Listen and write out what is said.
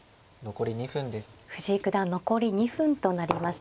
藤井九段残り２分となりました。